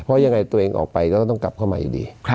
เพราะยังไงตัวเองออกไปก็ต้องกลับเข้ามาอยู่ดี